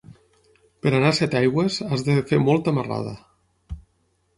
Per anar a Setaigües has de fer molta marrada.